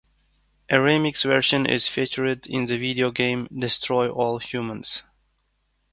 A remixed version is featured in the video game "Destroy All Humans!".